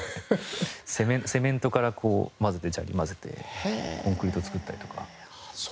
セメントからこう混ぜて砂利混ぜてコンクリート作ったりとかしてました。